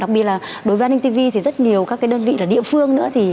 đặc biệt là đối với antv thì rất nhiều các đơn vị địa phương